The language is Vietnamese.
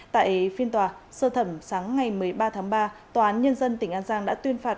tại phiên tòa sơ thẩm sáng ngày một mươi ba tháng ba tòa án nhân dân tỉnh an giang đã tuyên phạt